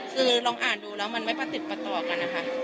คือลองอ่านดูแล้วมันไม่ประติดประต่อกันนะคะ